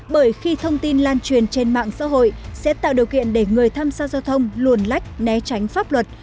bởi khi thông tin lan truyền trên mạng xã hội sẽ tạo điều kiện để người tham gia giao thông luồn lách né tránh pháp luật